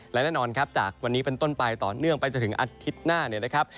และแน่นอนครับจากวันนี้เป็นต้นไปต่อเนื่องไปจนถึงอาทิตย์หน้าเนี่ยนะครับ